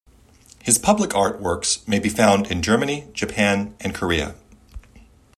His public art works may be found in Germany, Japan and Korea.